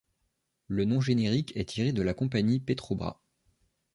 Le nom générique est tiré de la compagnie Petrobras.